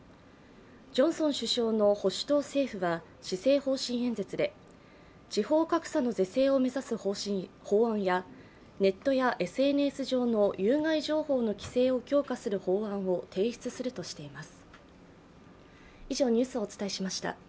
ジョンソン首相の保守党政府は施政方針演説で地方格差の是正を目指す法案やネットやＳＮＳ上の有害情報の規制を強化する法案を提出するとしています。